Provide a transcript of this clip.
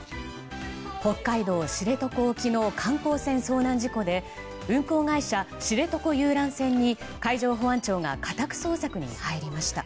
北海道知床沖の観光船遭難事故で運航会社、知床遊覧船に海上保安庁が家宅捜索に入りました。